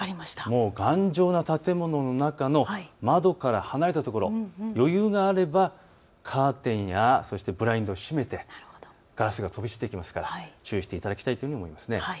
頑丈な建物の中の窓から離れたところ、余裕があればカーテンやそしてブラインドを閉めてガラスが飛び散ってきますから注意していただきたいと思います。